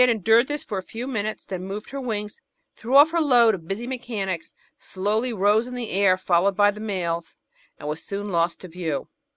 She endured this for a few minutes, then moved her wings, threw off her load of busy mechanics, slowly rose in the air followed by the males, and was soon lost to view.